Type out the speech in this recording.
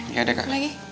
iya deh kak